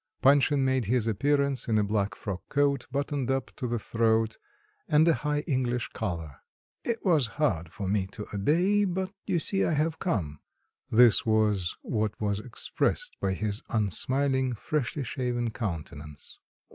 Panshin made his appearance in a black frock coat buttoned up to the throat, and a high English collar. "It was hard for me to obey; but you see I have come," this was what was expressed by his unsmiling, freshly shaven countenance.